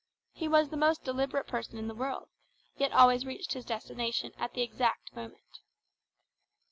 He was the most deliberate person in the world, yet always reached his destination at the exact moment.